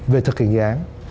về thực hiện dự án